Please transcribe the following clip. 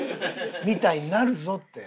みたいになるぞって。